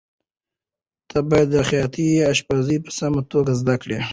ته باید خیاطي یا اشپزي په سمه توګه زده کړې.